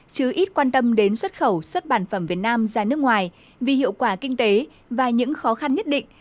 chứ ít quan tâm đến xuất khẩu xuất bản phẩm việt nam ra nước ngoài vì hiệu quả kinh tế và những khó khăn nhất định